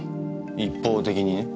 一方的にね。